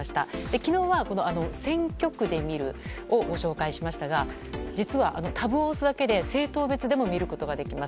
昨日は選挙区で見るをご紹介しましたが実は、タブを押すだけで政党別でも見ることができます。